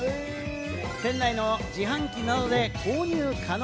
店内の自販機などで購入可能。